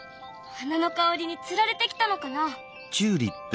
花の香りにつられて来たのかな？